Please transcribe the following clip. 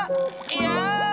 いや！